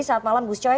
selamat malam gus coy